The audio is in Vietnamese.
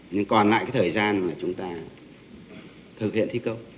nhưng còn lại thời gian chúng ta thực hiện thi công